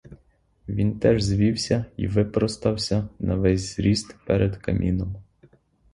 Він теж звівся й випростався на ввесь зріст перед каміном.